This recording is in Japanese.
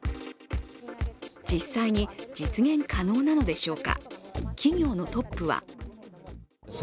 実際に実現可能なのでしょうか。